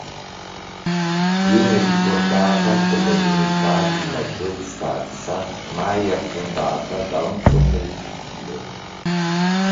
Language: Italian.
Viene ricordata come l'unità di maggior stazza mai affondata da un sommergibile.